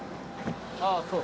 あぁそう。